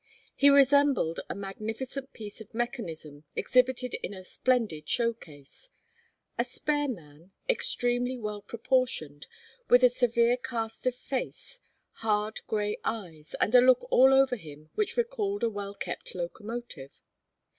He resembled a magnificent piece of mechanism exhibited in a splendid show case a spare man, extremely well proportioned, with a severe cast of face, hard grey eyes, and a look all over him which recalled a well kept locomotive.